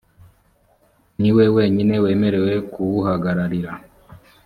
niwe wenyine wemerewe kuwuhagararira